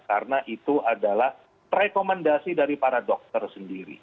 karena itu adalah rekomendasi dari para dokter sendiri